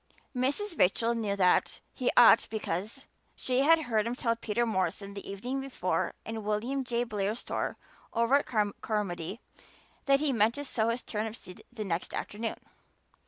Mrs. Rachel knew that he ought because she had heard him tell Peter Morrison the evening before in William J. Blair's store over at Carmody that he meant to sow his turnip seed the next afternoon.